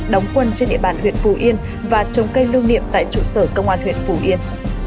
đóng quân trên địa bàn huyện phù yên và trồng cây lưu niệm tại trụ sở công an huyện phù yên